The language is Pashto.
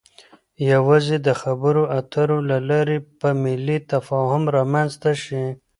يوازې د خبرو اترو له لارې به ملی تفاهم رامنځته شي.